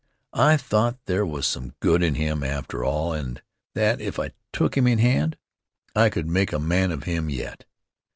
I thought there was some good in him after all and that, if I took him in hand, I could make a man of him yet.